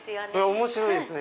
面白いですね。